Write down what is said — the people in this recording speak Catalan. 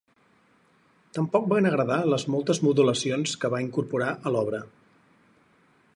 Tampoc van agradar les moltes modulacions que va incorporar a l'obra.